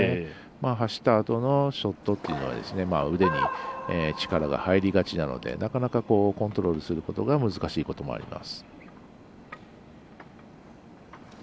走ったあとのショットというのは腕に、力が入りがちなのでなかなかコントロールすることが難しいかと思われます。